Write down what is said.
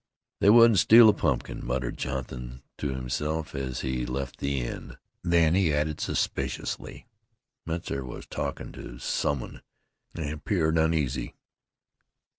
"They wouldn't steal a pumpkin," muttered Jonathan to himself as he left the inn. Then he added suspiciously, "Metzar was talkin' to some one, an' 'peared uneasy.